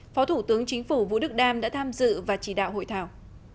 phó thủ tướng chính phủ vũ đức đam đã tham dự và chỉ đạo hội thảo